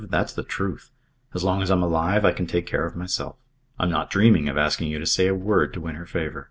That's the truth. As long as I'm alive I can take care of myself. I'm not dreaming of asking you to say a word to win her favour.